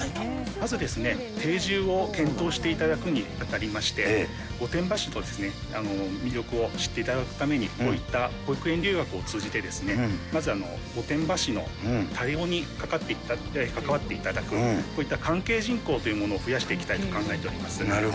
まずですね、定住を検討していただくにあたりまして、御殿場市の魅力を知っていただくために、こういった保育園留学を通じて、まず御殿場市に多様に関わっていただく、こういった関係人口というものを増やしていきたいと考え